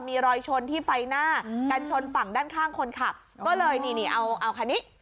มีรอยชนที่ไฟหน้ากันชนฝั่งด้านข้างคนขับก็เลยนี่นี่เอาเอาคันนี้